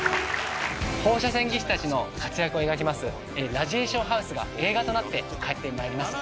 放射線技師たちの活躍を描きます「ラジエーションハウス」が映画となって帰ってまいります。